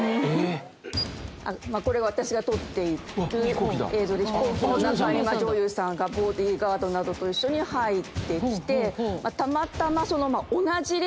これ私が撮っている映像で飛行機の中今上祐さんがボディーガードなどと一緒に入って来てたまたま同じ列。